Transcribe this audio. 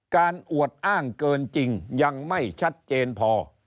อวดอ้างเกินจริงยังไม่ชัดเจนพอ